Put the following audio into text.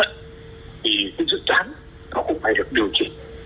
thì dự án nó cũng phải được điều chỉnh